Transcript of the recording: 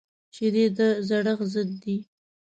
شیدې د زړښت ضد دي